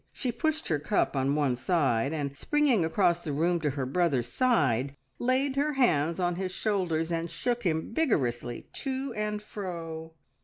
She pushed her cup on one side, and, springing across the room to her brother's side, laid her hands on his shoulders and shook him vigorously to and fro.